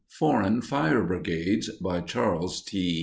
FOREIGN FIRE BRIGADES BY CHARLES T.